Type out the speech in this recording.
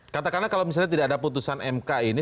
katakanlah kalau misalnya tidak ada putusan mk ini